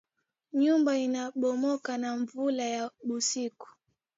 Nyumba ina bomoka na nvula ya busiku